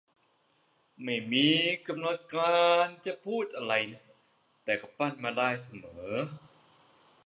ไม่มีกำหนดการจะพูดอะไรนะ แต่ก็ปั้นมาได้เสมอ